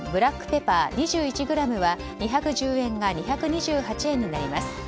ペパー２１ｇは２１０円が２２８円になります。